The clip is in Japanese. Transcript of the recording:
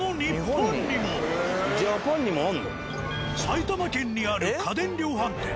埼玉県にある家電量販店。